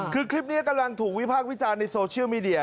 คือคลิปนี้กำลังถูกวิพากษ์วิจารณ์ในโซเชียลมีเดีย